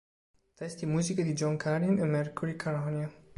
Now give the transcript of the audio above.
Testi e musiche di Jon Carin e Mercury Caronia.